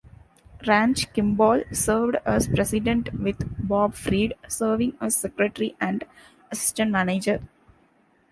Ranch Kimball served as President with Bob Freed serving as Secretary and Assistant Manager.